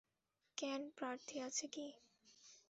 কোন প্রার্থী আছে কি?